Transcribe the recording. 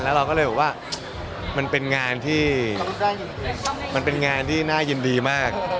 เราก็เลยบอกว่ามันเป็นงานที่มันเป็นงานที่น่ายินดีมาก